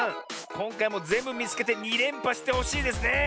こんかいもぜんぶみつけて２れんぱしてほしいですね。